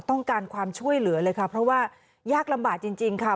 ต้องการความช่วยเหลือเลยค่ะเพราะว่ายากลำบากจริงค่ะ